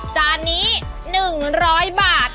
จานนี้๑๐๐บาท